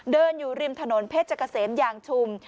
เดินอยู่ริมถนนเพชรเจ้าเกษมยางชุม